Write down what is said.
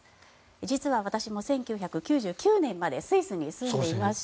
実は私も１９９９年までスイスに住んでいまして。